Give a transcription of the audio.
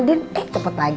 ini tuh banyak